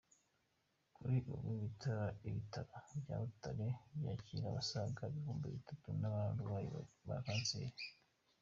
Kuri ubu ibitaro bya Butaro byakira abasaga ibihumbi bitanu by’abarwayi ba kanseri.